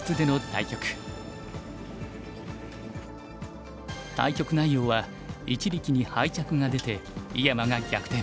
対局内容は一力に敗着が出て井山が逆転。